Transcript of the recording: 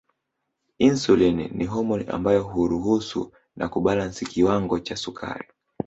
Insulini ni homoni ambayo huruhusu na kubalansi kiwango cha sukari